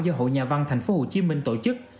do hội nhà văn tp hcm tổ chức